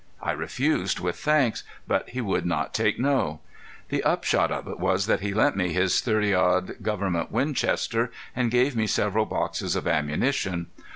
I refused with thanks, but he would not take no. The upshot of it was that he lent me his .30 Government Winchester, and gave me several boxes of ammunition.